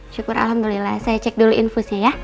syukur alhamdulillah saya cek dulu infusnya ya